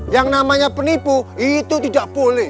yang namanya penipu itu tidak boleh